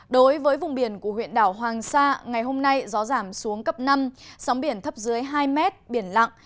đối với vùng biển của huyện đảo hoàng sa ngày hôm nay gió giảm xuống cấp năm sóng biển thấp dưới hai mét biển lặng